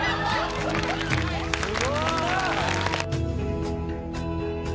・すごい！